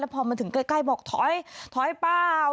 พอมาถึงใกล้บอกถอยถอยเปล่า